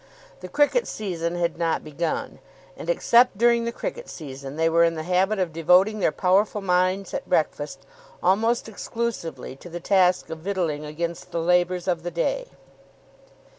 The cricket season had not begun, and except during the cricket season they were in the habit of devoting their powerful minds at breakfast almost exclusively to the task of victualling against the labours of the day.